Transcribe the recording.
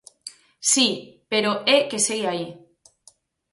Si, pero é que segue aí.